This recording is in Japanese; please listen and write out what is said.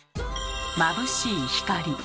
まぶしい「光」。